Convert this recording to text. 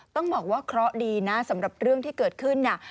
ต้องบอกว่าเคราะห์ดีนะสำหรับเรื่องที่เกิดขึ้นน่ะ